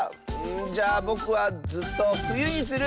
じゃあぼくはずっとふゆにする！